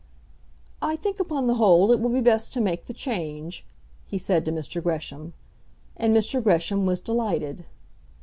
"I think upon the whole it will be best to make the change," he said to Mr. Gresham. And Mr. Gresham was delighted.